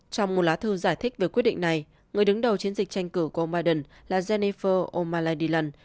trong một lá thư giải thích về quyết định này người đứng đầu chiến dịch tranh cử của ông biden là jennifer o malady lund